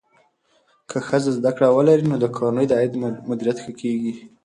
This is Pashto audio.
که ښځه زده کړه ولري، نو د کورنۍ د عاید مدیریت ښه کېږي.